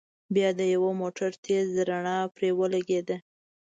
بيا د يوه موټر تېزه رڼا پرې ولګېده.